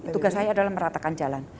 tugas saya adalah meratakan jalan